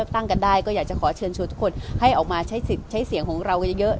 ตั้งกันได้ก็อยากจะขอเชิญชวนทุกคนให้ออกมาใช้สิทธิ์ใช้เสียงของเรากันเยอะ